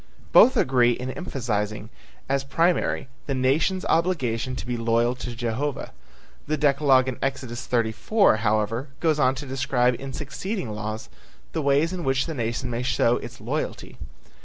Both agree in emphasizing as primary the nation's obligation to be loyal to Jehovah. The decalogue in Exodus 34, however, goes on to describe in succeeding laws the ways in which the nation may show its loyalty.